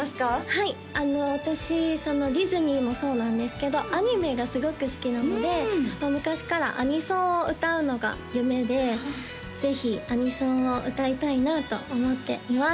はい私ディズニーもそうなんですけどアニメがすごく好きなので昔からアニソンを歌うのが夢でぜひアニソンを歌いたいなと思っています